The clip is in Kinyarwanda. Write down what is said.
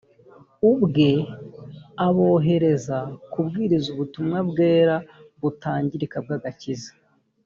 ubwe abohereza kubwiriza ubutumwa bwera butangirika bw agakiza